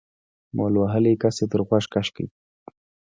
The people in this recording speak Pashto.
مول وهلي کس يې تر غوږ کش کړ.